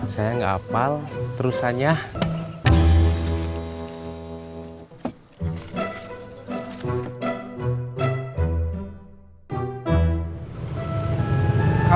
saya enggak apal terusannya